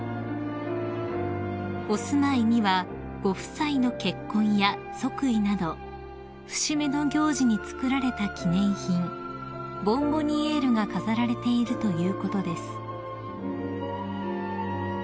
［お住まいにはご夫妻の結婚や即位など節目の行事に作られた記念品ボンボニエールが飾られているということです］